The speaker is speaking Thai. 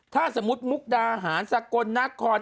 ถ้าสมมติมุกดาหารทรากลนาคอน